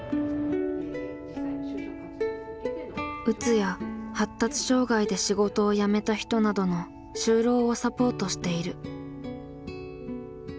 うつや発達障害で仕事を辞めた人などの就労をサポートしている。